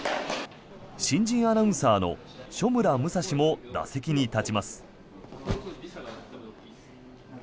新人アナウンサーの所村武蔵も打席に立ちます。